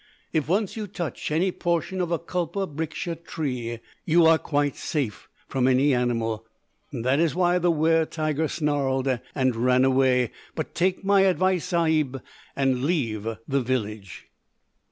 If once you touch any portion of a kulpa briksha tree, you are quite safe from any animal that is why the wer tiger snarled and ran away! But take my advice, sahib, and leave the village.'